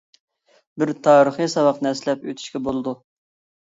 بىر تارىخىي ساۋاقنى ئەسلەپ ئۆتۈشكە بولىدۇ.